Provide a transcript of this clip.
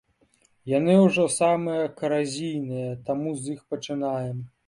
Яны ўжо самыя каразійныя, таму з іх пачынаем.